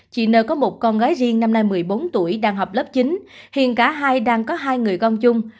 chị nơi có một con gái riêng năm nay một mươi bốn tuổi đang học lớp chín hiện cả hai đang có hai người con chung